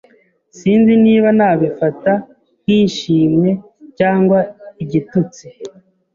Sinzi niba nabifata nk'ishimwe cyangwa igitutsi.